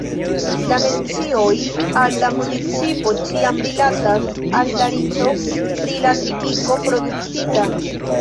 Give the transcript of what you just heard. La mencioj al la municipo ĉiam rilatas al la riĉo pri la tritiko produktita.